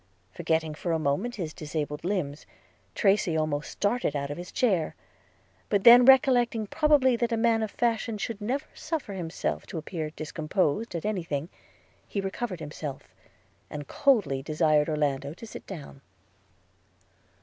Forgetting for a moment his disabled limbs, Tracy almost started out of his chair; but then recollecting probably that a man of fashion should never suffer himself to appear discomposed at any thing, he recovered himself, and coldly desired Orlando to sit down.